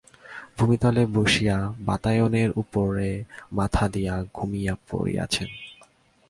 ভূমিতলে বসিয়া বাতায়নের উপরে মাথা দিয়া ঘুমাইয়া পড়িয়াছেন।